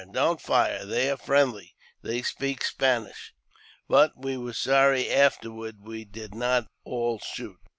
don't fire ! they are friendly — they speak Spanish." But we were sorry afterward we did not all shoot.